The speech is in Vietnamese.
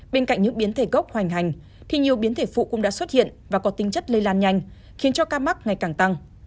bên cạnh những biến thể gốc hoành hành thì nhiều biến thể phụ cũng đã xuất hiện và có tính chất lây lan nhanh khiến cho ca mắc ngày càng tăng